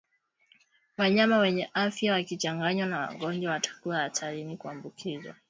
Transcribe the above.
Wanyama wenye afya wakichanganywa na wagonjwa watakuwa hatarini kuambukizwa